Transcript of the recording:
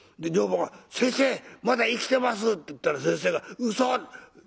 女房が「先生まだ生きてます！」って言ったら先生が「うそ？」。